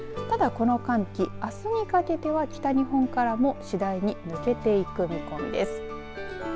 ただこの寒気あすにかけては北日本からも次第に抜けていく見込みです。